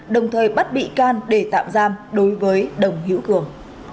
đồng thời bắt bị can để tạm giam đối với đồng hữu cường